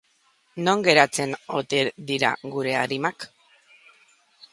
Non geratzen ote dira gure arimak?